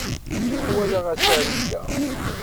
Cfiɣ walaɣ asaru-a.